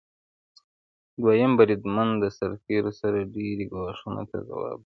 دویم بریدمن د سرتیرو سره ډیری ګواښونو ته ځواب ورکوي.